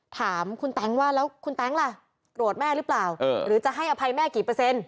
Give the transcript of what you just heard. ถามคุณแต๊งว่าแล้วคุณแต๊งล่ะโกรธแม่หรือเปล่าหรือจะให้อภัยแม่กี่เปอร์เซ็นต